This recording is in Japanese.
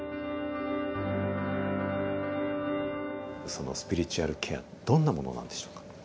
そのスピリチュアルケアどんなものなんでしょうか？